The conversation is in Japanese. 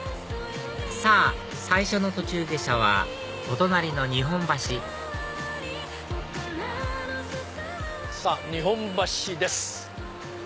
さぁ最初の途中下車はお隣の日本橋さぁ日本橋です。